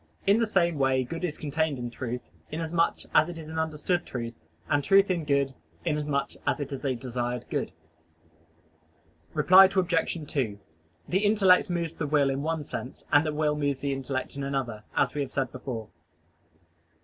In the same way good is contained in truth, inasmuch as it is an understood truth, and truth in good, inasmuch as it is a desired good. Reply Obj. 2: The intellect moves the will in one sense, and the will moves the intellect in another, as we have said above.